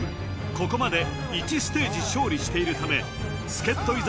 ここまで１ステージ勝利しているため助っ人伊沢